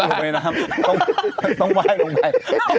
ลงไปในน้ำต้องไหว้ลงไป